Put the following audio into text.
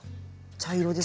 茶色です？